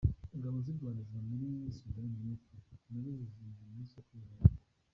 Ingabo z’u Rwanda ziba muri Sudani y’Epfo nazo zizihije umunsi wo Kwibohora.